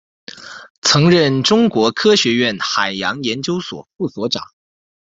曾任中国科学院海洋研究所副所长。